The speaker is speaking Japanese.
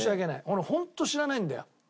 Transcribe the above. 俺ホント知らないんだよ。